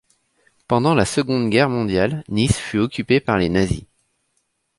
Pendant la Seconde Guerre mondiale, Niš fut occupée par les nazis.